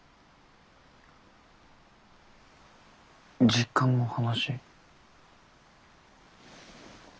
実家の話？